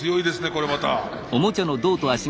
これまた。